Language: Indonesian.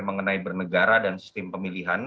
mengenai bernegara dan sistem pemilihan